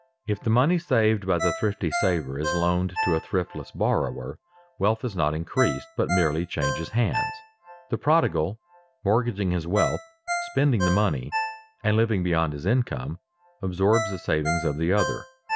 If the money saved by the thrifty saver is loaned to a thriftless borrower, wealth is not increased, but merely changes hands. The prodigal mortgaging his wealth, spending the money, and living beyond his income, absorbs the savings of the other.